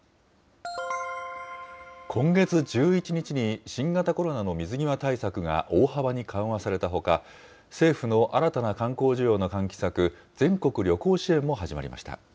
今月１１日に新型コロナの水際対策が大幅に緩和されたほか、政府の新たな観光需要の喚起策、全国旅行支援も始まりました。